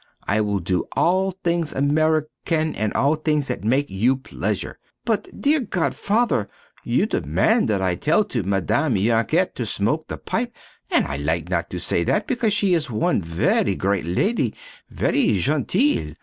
I will do all things American and all things that make you pleasure. But, dear godfather, you demand that I tell to Madame Yanket to smoke the pipe and I like not to say that because she is one very great lady, very genteel.